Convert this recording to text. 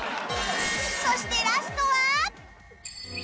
そしてラストは